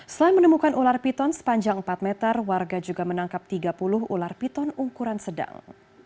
selain menemukan ular piton sepanjang empat meter warga juga menangkap tiga puluh ular piton ukuran sedang